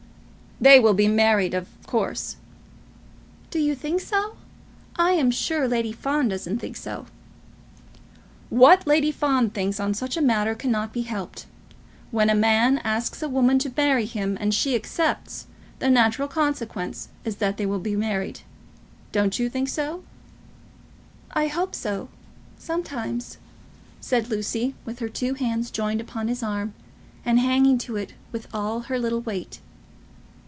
"They will be married, of course." "Do you think so? I am sure Lady Fawn doesn't think so." "What Lady Fawn thinks on such a matter cannot be helped. When a man asks a woman to marry him, and she accepts, the natural consequence is that they will be married. Don't you think so?" "I hope so, sometimes," said Lucy, with her two hands joined upon his arm, and hanging to it with all her little weight.